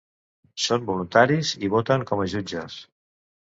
Són voluntaris i voten com a jutges.